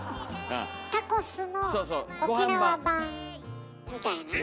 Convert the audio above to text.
タコスの沖縄版みたいな。